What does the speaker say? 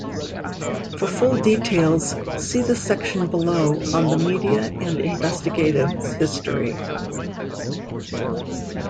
For full details, see the section below on the media and investigative history.